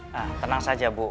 nah tenang saja bu